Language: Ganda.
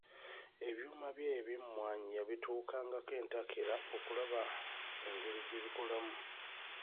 Ebyuma bye eby'emmwanyi yabituukangako entakera okulaba engeri gye bikolamu